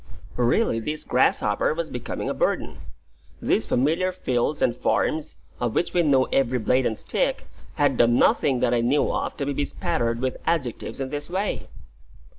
Really this grasshopper was becoming a burden. These familiar fields and farms, of which we knew every blade and stick, had done nothing that I knew of to be bespattered with adjectives in this way.